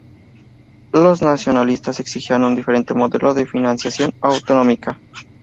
Los nacionalistas exigían un diferente modelo de financiación autonómica.